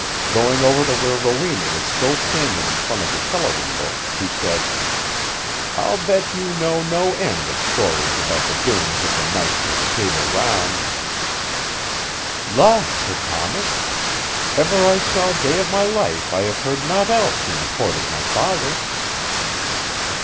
Going over to where Rowena was still standing in front of the telewindow, he said, "I'll bet you know no end of stories about the doings of the knights of the Table Round." "La! Sir Thomas. Ever I saw day of my life I have heard naught else in the court of my father."